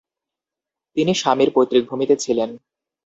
তিনি স্বামীর পৈতৃক ভূমিতে ছিলেন।